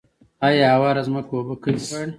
آیا هواره ځمکه اوبه کمې غواړي؟